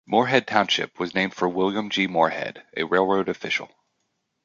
Moorhead Township was named for William G. Moorhead, a railroad official.